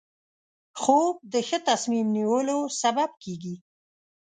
خوب د ښه تصمیم نیولو سبب کېږي